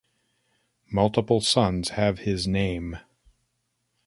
Multiple sons have his name.